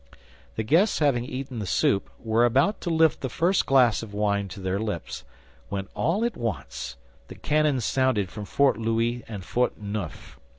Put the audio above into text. The guests having eaten the soup, were about to lift the first glass of wine to their lips, when all at once the cannon sounded from Fort Louis and Fort Neuf.